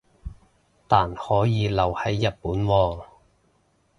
但可以留係日本喎